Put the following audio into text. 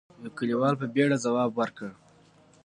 يوه کليوال په بيړه ځواب ورکړ: